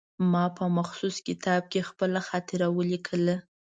ما په مخصوص کتاب کې خپله خاطره ولیکله.